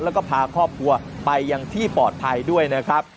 แล้วก็พาครอบครัวไปยังที่ปลอดภัยด้วยนะครับ